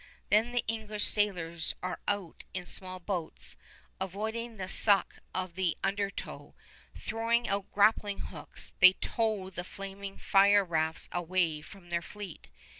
Then the English sailors are out in small boats, avoiding the suck of the undertow. Throwing out grappling hooks, they tow the flaming fire rafts away from their fleet.